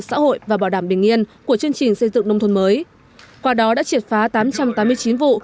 xã hội và bảo đảm bình yên của chương trình xây dựng nông thôn mới qua đó đã triệt phá tám trăm tám mươi chín vụ